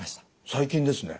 最近ですね。